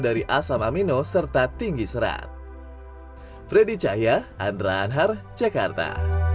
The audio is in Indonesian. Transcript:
dari asam amino serta tinggi serat freddy cahya andra anhar jakarta